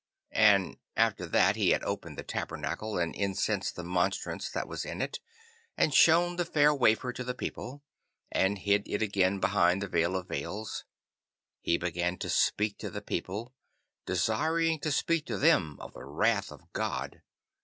And after that he had opened the tabernacle, and incensed the monstrance that was in it, and shown the fair wafer to the people, and hid it again behind the veil of veils, he began to speak to the people, desiring to speak to them of the wrath of God.